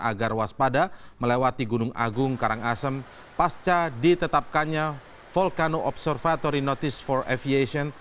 agar waspada melewati gunung agung karangasem pasca ditetapkannya volcano observatory notice for aviation